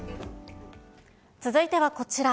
続いてはこちら。